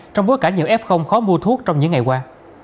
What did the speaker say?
trong bối cảnh nhiều f khó mua thuốc trong những ngày qua